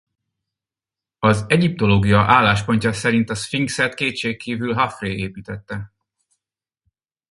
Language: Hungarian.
Az egyiptológia álláspontja szerint a Szfinxet kétségkívül Hafré építette.